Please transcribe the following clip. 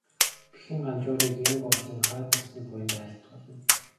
Бэхэн Ганжуурыг энэ болон хойд насны буянд айлтгуулна.